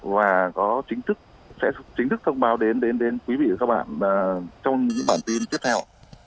và sẽ chính thức thông báo đến quý vị và các bạn trong những bản tin tiếp theo